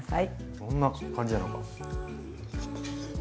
どんな感じなのか。